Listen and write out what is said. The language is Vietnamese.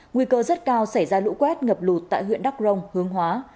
nguy cơ rất cao xảy ra lũ quét ngập lụt tại huyện đắk rông hướng hóa